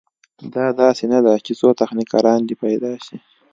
دا داسې نه ده چې څو تخنیکران دې پیدا شي.